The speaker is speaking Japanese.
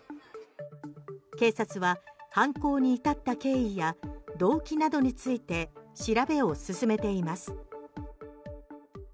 警察は犯行に至った経緯や動機などについて調べを進めています。